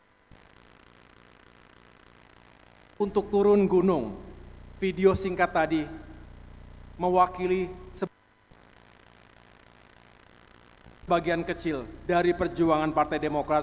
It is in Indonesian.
pada kesempatan yang baik ini saya juga perlu menyampaikan kepada seluruh kader partai demokrat